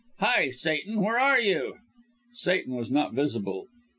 Hi Satan, where are you?" Satan was not visible.